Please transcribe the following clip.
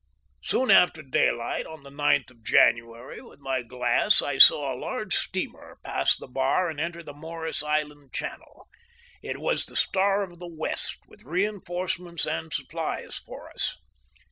Soon after daylight on the 9th of January, with my glass I saw a large steamer pass the bar and enter the Morris Island Channel. It was the Star of the West, with reinforcements and supplies for us.